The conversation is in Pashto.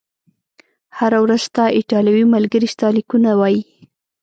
هره ورځ، ستا ایټالوي ملګري ستا لیکونه وایي؟